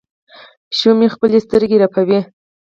پیشو مې خپلې سترګې رپوي.